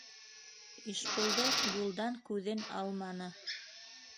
Ишбулды юлдан күҙен алманы.